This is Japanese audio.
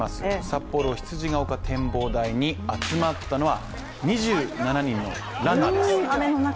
さっぽろ羊ヶ丘展望台に集まったのは２７人のランナーです。